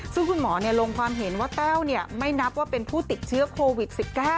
ซึ่งคุณหมอลงความเห็นว่าแต้วไม่นับว่าเป็นผู้ติดเชื้อโควิด๑๙